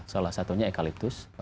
salah satunya ekaliptus